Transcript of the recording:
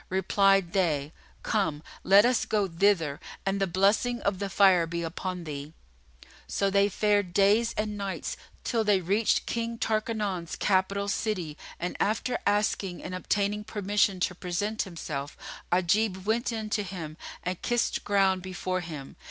Replied they, "Come, let us go thither; and the blessing of the Fire be upon thee!" So they fared days and nights till they reached King Tarkanan's capital city and, after asking and obtaining permission to present himself, Ajib went in to him and kissed ground before him.